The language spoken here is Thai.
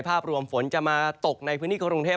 ภาพรวมฝนจะมาตกในพื้นที่กรุงเทพ